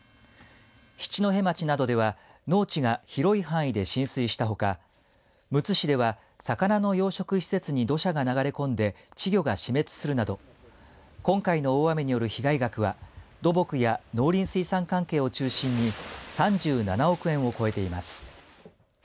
七戸町などでは農地が広い範囲で浸水したほかむつ市では魚の養殖施設に土砂が流れ込んで稚魚が死滅するなど今回の大雨による被害額は土木や農林水産関係を中心に３７億円を超えています。